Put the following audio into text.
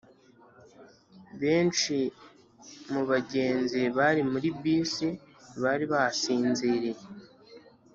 benshi mu bagenzi bari muri bisi bari basinziriye.